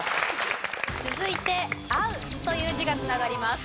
続いて「合う」という字が繋がります。